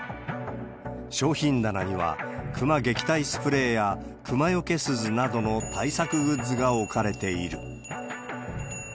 商品棚には、クマ撃退スプレーヤクマよけ鈴などの対策グッズが置かれている。